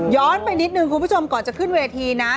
ไปนิดนึงคุณผู้ชมก่อนจะขึ้นเวทีนะ